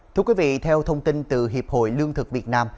thưa quý vị theo thông tin từ hiệp hội lương thực việt nam